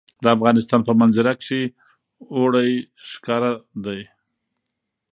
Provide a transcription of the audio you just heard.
د افغانستان په منظره کې اوړي ښکاره ده.